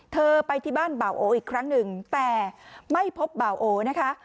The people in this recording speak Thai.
เธอไปที่บ้านบ่าโออีกครั้งหนึ่งแต่ไม่พบเบาโอนะคะ